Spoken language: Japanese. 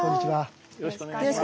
よろしくお願いします。